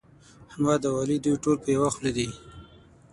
احمد او علي دوی ټول په يوه خوله دي.